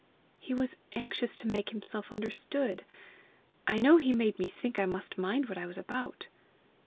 "He was anxious to make himself understood. I know he made me think I must mind what I was about!"